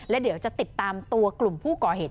แล้วเดี๋ยวจะติดตามตัวกลุ่มผู้ก่อเหตุ